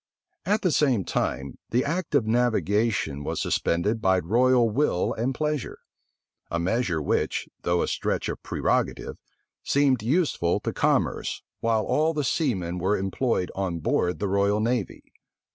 At the same time, the act of navigation was suspended by royal will and pleasure; a measure which, though a stretch of prerogative, seemed useful to commerce, while all the seamen were employed on board the royal navy.